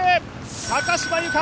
高島由香